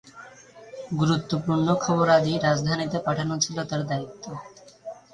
গুরুত্বপূর্ণ খবরাদি রাজধানীতে পাঠানো ছিল তার দায়িত্ব।